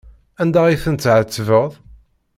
Anda ay tent-tɛettbeḍ?